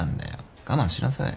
我慢しなさい。